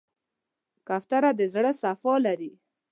کوتره د زړه صفا لري.